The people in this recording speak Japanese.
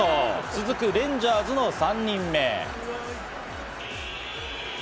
続くレンジャーズの３人目。